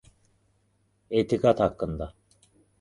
Etiqad haqqında.